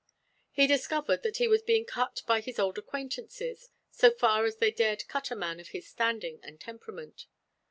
He discovered that he was being cut by his old acquaintances, so far as they dared cut a man of his standing and temperament.